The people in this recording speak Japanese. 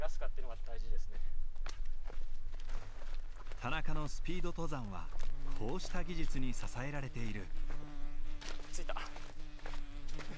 田中のスピード登山はこうした技術に支えられている。